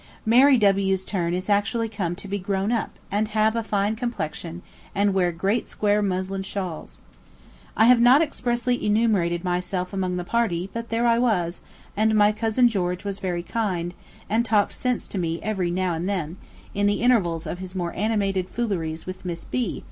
Mary W.'s turn is actually come to be grown up, and have a fine complexion, and wear great square muslin shawls. I have not expressly enumerated myself among the party, but there I was, and my cousin George was very kind, and talked sense to me every now and then, in the intervals of his more animated fooleries with Miss B.